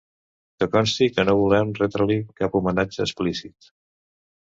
Que consti que no volem retre-li cap homenatge explícit.